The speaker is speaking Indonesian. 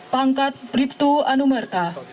pangkat riptu anumerta